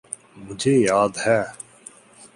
مجھے یاد ہے۔